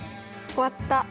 終わった。